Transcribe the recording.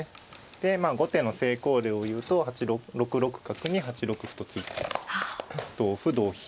でまあ後手の成功例を言うと６六角に８六歩と突いて同歩同飛。